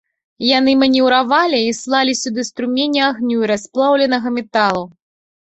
Яны манеўравалі і слалі сюды струмені агню і расплаўленага металу.